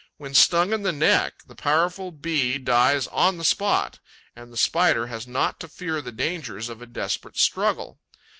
When stung in the neck, the powerful Bee dies on the spot; and the Spider has not to fear the dangers of a desperate struggle.